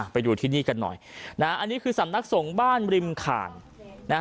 ไปอยู่ที่นี่กันหน่อยอันนี้คือสำนักส่งบ้านริมข่าน